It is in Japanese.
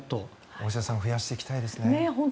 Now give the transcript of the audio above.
大下さん増やしていきたいですね。